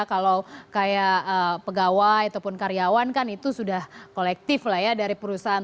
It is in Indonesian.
kalau kayak pegawai ataupun karyawan kan itu sudah kolektif lah ya dari perusahaan